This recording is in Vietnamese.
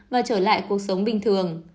và trở lại cuộc sống bình thường